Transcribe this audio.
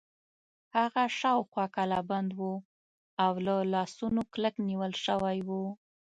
هغه شاوخوا کلابند و او له لاسونو کلک نیول شوی و.